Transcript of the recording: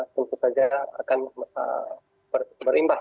berimbas negatif ya terhadap rupiah